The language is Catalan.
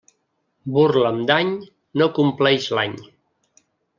Burla amb dany no compleix l'any.